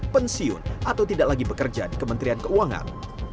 pensiun atau tidak lagi bekerja di kementerian keuangan